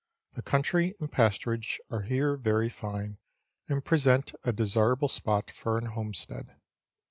The country and pasturage are here very fine, and present a desirable spot for an homestead.